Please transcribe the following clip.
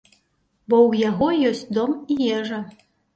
Бо ў яго ёсць дом і ежа.